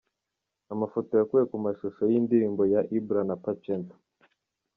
Amafoto yakuwe mu mashusho y'iyi ndirimbo ya Ibra na Pacento.